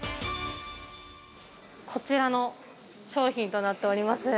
◆こちらの商品となっております。